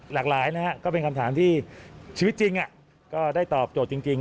หลากหลายนะฮะก็เป็นคำถามที่ชีวิตจริงก็ได้ตอบโจทย์จริง